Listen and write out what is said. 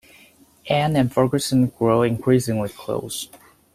Ann and Ferguson grow increasingly close.